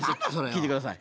聴いてください。